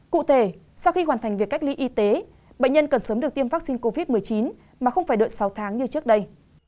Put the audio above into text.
cụ thể sau khi hoàn thành việc cách ly y tế bệnh nhân cần sớm được tiêm vaccine covid một mươi chín mà không phải đợi sáu tháng như trước đây